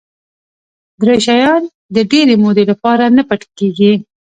دری شیان د ډېرې مودې لپاره نه پټ کېږي.